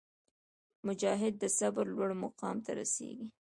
مجاهد د صبر لوړ مقام ته رسېږي.